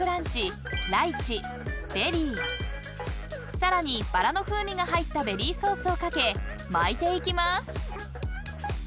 ［さらにバラの風味が入ったベリーソースを掛け巻いていきます］